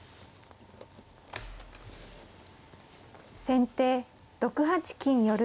先手６八金寄。